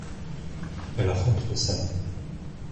Elle rentre au salon.